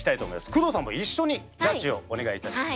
工藤さんも一緒にジャッジをお願いいたします。